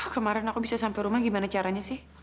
kemarin aku bisa sampai rumah gimana caranya sih